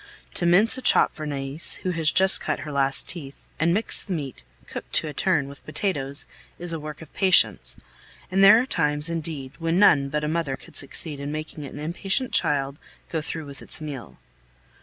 To mince a chop for Nais, who has just cut her last teeth, and mix the meat, cooked to a turn, with potatoes, is a work of patience, and there are times, indeed, when none but a mother could succeed in making an impatient child go through with its meal.